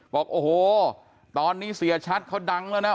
บอกโอ้โหตอนนี้เสียชัดเขาดังแล้วนะ